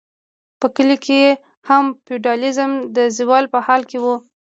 په کلیو کې هم فیوډالیزم د زوال په حال و.